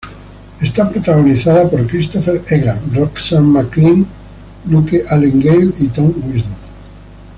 Es protagonizada por Christopher Egan, Roxanne McKee, Luke Allen-Gale y Tom Wisdom.